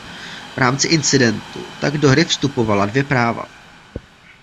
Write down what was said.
V rámci incidentu tak do hry vstupovala dvě práva.